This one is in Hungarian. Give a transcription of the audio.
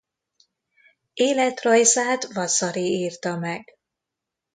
Életrajzát Vasari írta meg.